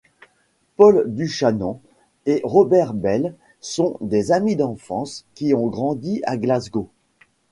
Paul Buchanan et Robert Bell sont des amis d'enfance qui ont grandi à Glasgow.